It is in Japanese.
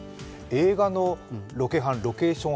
映画のロケハンロケーション